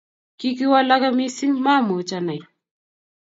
kiki walaka mising maamuch anai